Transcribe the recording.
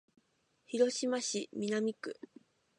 広島市南区